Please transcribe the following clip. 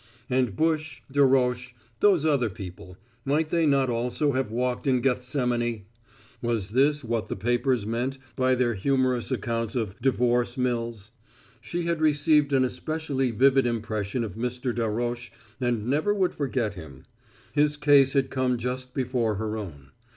And Bush, Darroch, those other people might they not also have walked in Gethsemane? Was this what the papers meant by their humorous accounts of "divorce mills"? She had received an especially vivid impression of Mr. Darroch and never would forget him. His case had come just before her own.